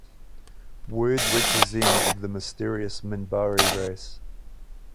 Word reaches them of the mysterious Minbari race.